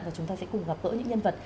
và chúng ta sẽ cùng gặp gỡ những nhân vật